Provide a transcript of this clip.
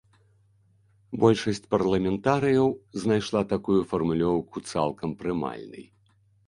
Большасць парламентарыяў знайшла такую фармулёўку цалкам прымальнай.